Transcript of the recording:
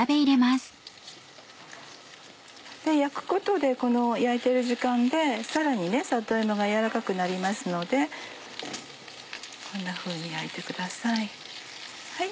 焼くことでこの焼いている時間でさらに里芋が軟らかくなりますのでこんなふうに焼いてください。